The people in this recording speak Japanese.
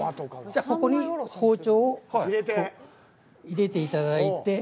じゃあ、ここに包丁を入れていただいて。